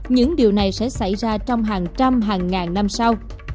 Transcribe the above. những điều này sẽ xảy ra trong hàng trăm hàng ngàn năm sau